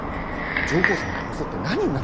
上皇様と争って何になるのですか。